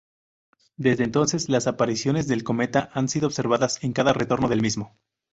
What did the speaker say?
Desde entonces, las apariciones del cometa han sido observadas en cada retorno del mismo.